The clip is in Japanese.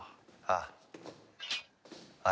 ああ。